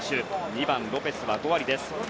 ２番のロペスは５割です。